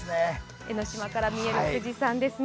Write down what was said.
江の島から見える富士山ですね。